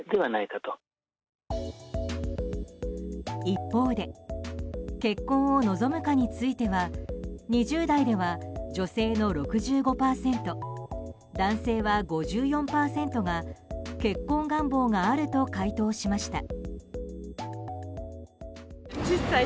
一方で結婚を望むかについては２０代では女性の６５％男性は５４％が結婚願望があると回答しました。